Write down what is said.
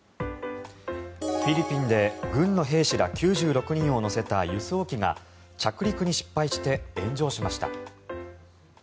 フィリピンで軍の兵士ら９６人を乗せた輸送機が着陸に失敗して炎上しました。